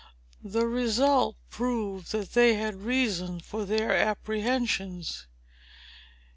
The result proved that they had reason for their apprehensions.